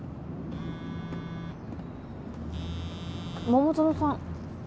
桃園さん。